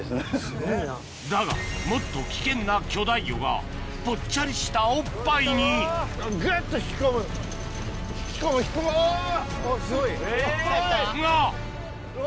だがもっと危険な巨大魚がぽっちゃりしたおっぱいにが！うわ！